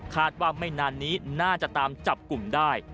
ไม่นานนี้น่าจะตามจับกลุ่มได้